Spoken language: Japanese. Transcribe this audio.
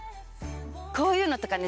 こういうのとかね